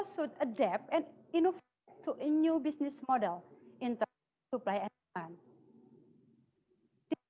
saya sendiri tidak bisa melihat slide ini